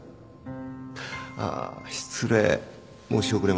ああ失礼申し遅れました。